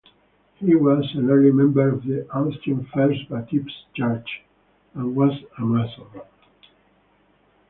He was an early member of Austin's First Baptist Church and was a Mason.